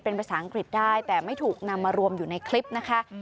เป็นภาษาอังกฤษได้แต่ไม่ถูกนำมารวมอยู่ในคลิปนะคะ